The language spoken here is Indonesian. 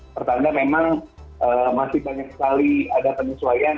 pertanda memang masih banyak sekali ada penyesuaian